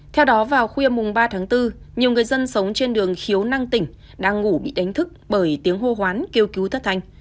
theo đó vào khuya mùng ba tháng bốn nhiều người dân sống trên đường khiếu năng tỉnh đang ngủ bị đánh thức bởi tiếng hô hoán kêu cứu thất thanh